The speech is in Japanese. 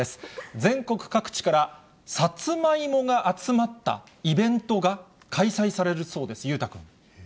全国各地からさつまいもが集まったイベントが開催されるそうです、裕太君。